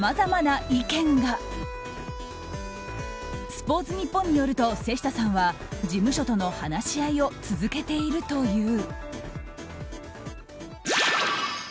スポーツニッポンによると瀬下さんは事務所との話し合いを続けているという。